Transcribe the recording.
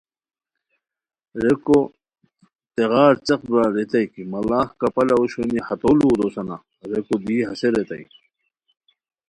ریکو تیغار څیق برار ریتائے کی مڑاغ کپالہ اوشونی ہتو لؤ دوسانا؟ ریکو دی ہسے ریتائے